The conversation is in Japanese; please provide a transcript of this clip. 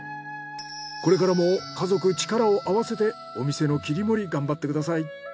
これからも家族力を合わせてお店の切り盛り頑張ってください。